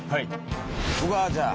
僕はじゃあ。